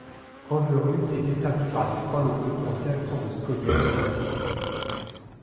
Greverud est desservie par des trains locaux en direction de Skøyen et de Ski.